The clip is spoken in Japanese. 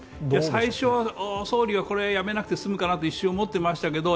最初は総理は、これ辞めなくて済むかなと一瞬思っていましたけど